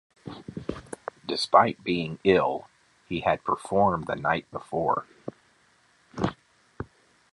Despite being ill, he had performed the night before.